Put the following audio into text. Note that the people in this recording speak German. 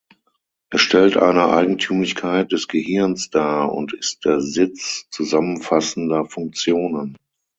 Es stellt eine Eigentümlichkeit des Gehirns dar und ist der Sitz zusammenfassender Funktionen.